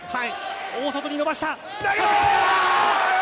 大外に伸ばした、投げた！